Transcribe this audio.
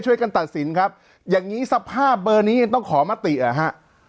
ช่วยกันตัดสินครับอย่างนี้สภาพเบอร์นี้ยังต้องขอมติเหรอฮะ